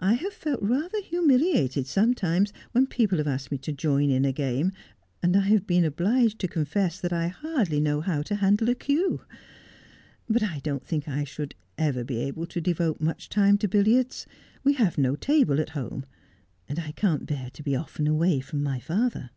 I have felt rather humiliated sometimes when people have asked me to join in a game, and I have been obliged to confess that I hardly know how to handle a cue. But I don't think I should ever be able to devote much time to billiards. We have no table at home ; and I can't bear to be often away from my father.'